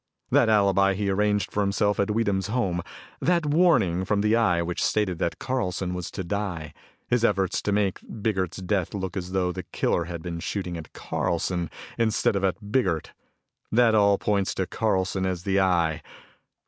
That alibi he arranged for himself at Weedham's home, that warning from the Eye which stated that Carlson was to die, his efforts to make Biggert's death look as though the killer had been shooting at Carlson instead of at Biggert that all points to Carlson as the Eye.